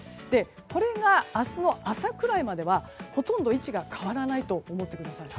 これが明日の朝くらいまではほとんど位置が変わらないと思ってください。